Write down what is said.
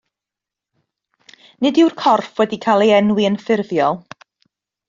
Nid yw'r corff wedi cael ei enwi yn ffurfiol.